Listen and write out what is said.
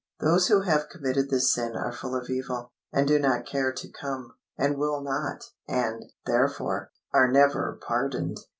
Those who have committed this sin are full of evil, and do not care to come, and will not, and, therefore, are never pardoned.